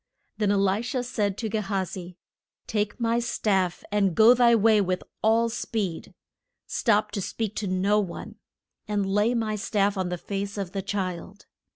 Then E li sha said to Ge ha zi, Take my staff, and go thy way with all speed. Stop to speak to no one. And lay my staff on the face of the child.